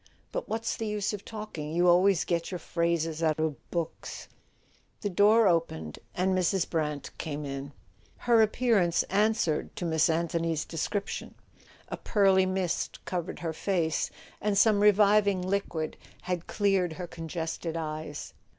But what's the use of talking? You always get your phrases out of books." A SON AT THE FRONT The door opened, and Mrs. Brant came in. Her appearance answered to Miss Anthony's de¬ scription. A pearly mist covered her face, and some reviving liquid had cleared her congested eyes.